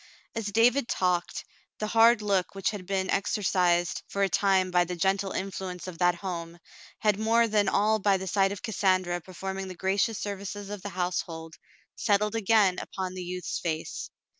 As David talked, the hard look which had been exor cised for a time by the gentle influence of that home, and more than all by the sight of Cassandra performing the gracious services of the household, settled again upon the youth's face.